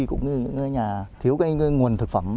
cũng như nhà thiếu nguồn thực phẩm